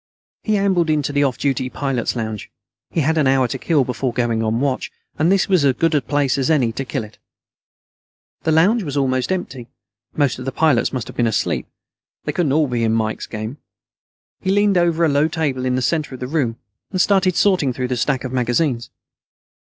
He ambled into the off duty pilots' lounge. He had an hour to kill before going on watch, and this was as good a place as any to kill it. The lounge was almost empty. Most of the pilots must have been asleep. They couldn't all be in Mike's game. He leaned over a low table in the center of the room and started sorting through the stack of magazines.